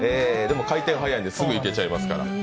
でも、回転が速いのですぐ行けちゃいますから。